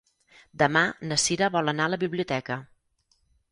Demà na Cira vol anar a la biblioteca.